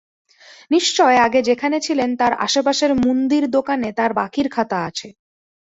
নিশ্চয় আগে যেখানে ছিলেন তার আশেপাশের মুন্দির দোকানে তাঁর বাকির খাতা আছে।